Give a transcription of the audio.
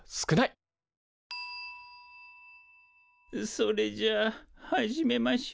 それじゃあ始めましょう。